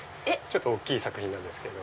大きい作品なんですけど。